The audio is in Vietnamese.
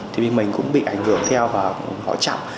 thì mình cũng bị ảnh hưởng theo và họ chặn